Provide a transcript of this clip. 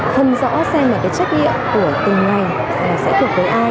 thân rõ xem là cái trách nhiệm của từng ngày sẽ kết hợp với ai